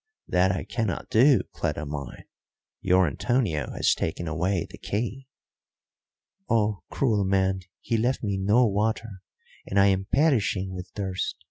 "That I cannot do, Cleta mine. Your Antonio has taken away the key." "Oh, cruel man! He left me no water, and I am perishing with thirst.